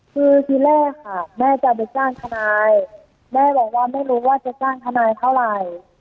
คือทีแรกค่ะแม่จะไปจ้างทนายแม่บอกว่าไม่รู้ว่าจะจ้างทนายเท่าไหร่